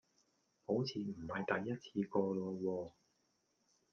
好似唔係第一次個囉喎